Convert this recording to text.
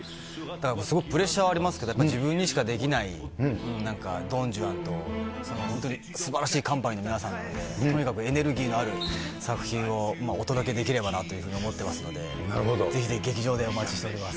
すごくプレッシャーはありますけど、自分にしかできないドン・ジュアンと、本当にすばらしいカンパニーの皆さんなので、とにかくエネルギーのある作品をお届けできればなというふうに思ってますので、ぜひぜひ劇場でお待ちしております。